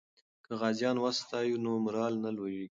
که غازیان وستایو نو مورال نه لویږي.